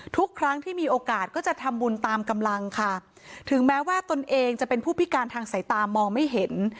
ทุกครั้งที่มีโอกาสก็จะทำบุญตามกำลังค่ะถึงแม้ว่าตนเองจะเป็นผู้พิการทางสายตามองไม่เห็น